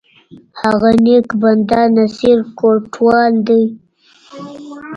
هغه نیک بنده، نصیر کوټوال دی!